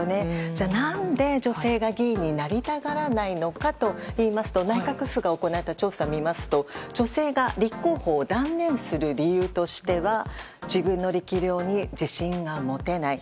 じゃあ、何で女性が議員になりたがらないかといいますと内閣府が行った調査を見ますと女性が立候補を断念する理由としては自分の力量に自信が持てない。